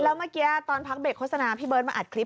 แล้วเมื่อกี้ตอนพักเบรกโฆษณาพี่เบิร์ตมาอัดคลิป